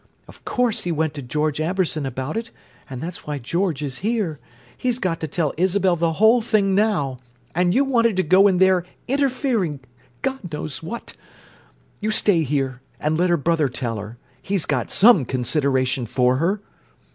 Of course he went to George Amberson about it, and that's why George is here. He's got to tell Isabel the whole thing now, and you wanted to go in there interfering—God knows what! You stay here and let her brother tell her; he's got some consideration for her!"